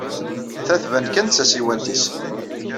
Ta tban kan d tasiwant-nnes.